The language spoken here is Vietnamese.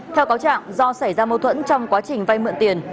theo cáo trạng do xảy ra mâu thuẫn trong quá trình vay mượn tiền